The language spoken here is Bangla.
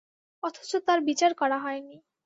অথচ তাঁর বিচার করা হয়নি।